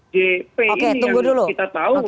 j p ini yang kita tahu